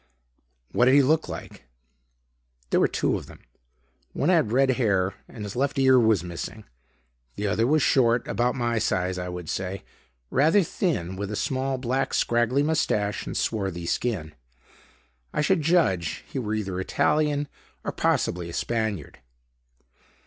"What'd he look like?" "There were two of them. One had red hair and his left ear was missing. The other was short; about my size, I would say; rather thin, with a small, black, straggly mustache and swarthy skin. I should judge he were either an Italian or possibly a Spaniard."